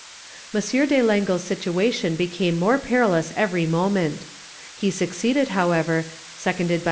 "M. de Langle's situation became more perilous every moment. He succeeded, however, seconded by M.